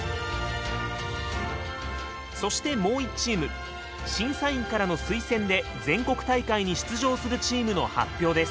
そしてもう１チーム審査員からの推薦で全国大会に出場するチームの発表です。